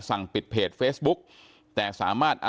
สวัสดีคุณผู้ชมครับสวัสดีคุณผู้ชมครับ